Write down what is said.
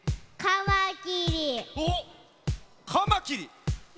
おっカマキリ。